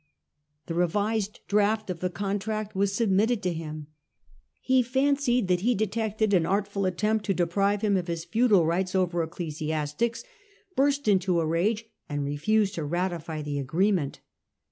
The revised draft of the contract was submitted to him ; he fancied that he detected an artful attempt to deprive him of his feudal rights over ecclesiastics, burst into a rage, and refused to ratify the agreement.